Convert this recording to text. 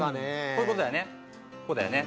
こういうことだよね。